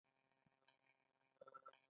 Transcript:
یاره ته هم زما په کیسه کي نه یې.